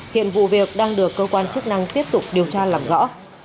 hiện vụ việc đang được cơ quan chức năng tiếp tục điều tra làm rõ